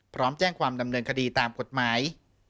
พร้อมแจ้งความดำเนินคดีตามกฎหมาย